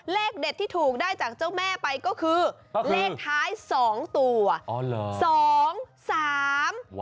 เลขเด็ดที่ถูกได้จากเจ้าแม่ไปก็คือเลขท้าย๒ตัว